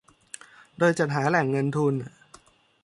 โดยจัดหาแหล่งเงินทุน